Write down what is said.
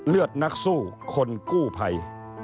เลือดนักสู้คนกู้ภัย